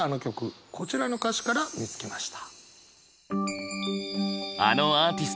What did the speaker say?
こちらの歌詞から見つけました。